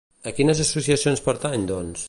A quines associacions pertany, doncs?